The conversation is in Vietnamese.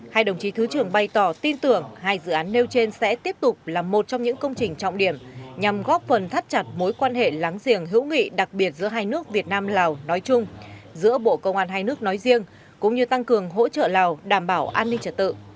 hai đồng chí thứ trưởng bày tỏ tin tưởng hai dự án nêu trên sẽ tiếp tục là một trong những công trình trọng điểm nhằm góp phần thắt chặt mối quan hệ láng giềng hữu nghị đặc biệt giữa hai nước việt nam lào nói chung giữa bộ công an hai nước nói riêng cũng như tăng cường hỗ trợ lào đảm bảo an ninh trật tự